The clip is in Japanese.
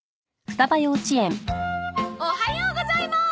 おはようございまーす！